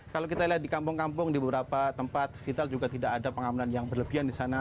kalau kita lihat di kampung kampung di beberapa tempat vital juga tidak ada pengamanan yang berlebihan di sana